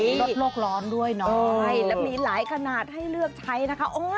ลดโลกร้อนด้วยเนาะใช่แล้วมีหลายขนาดให้เลือกใช้นะคะ